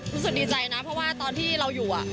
รู้สึกดีใจนะเพราะว่าตอนที่เราอยู่